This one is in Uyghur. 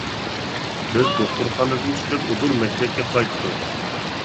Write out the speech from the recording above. بىز دوختۇرخانىدىن چىقىپ ئۇدۇل مەكتەپكە قايتتۇق.